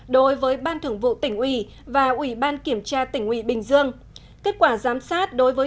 đối với ban thường vụ tỉnh ủy và ủy ban kiểm tra tỉnh ủy bình dương kết quả giám sát đối với